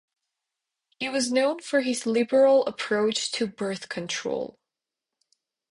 He was known for his liberal approach to birth control.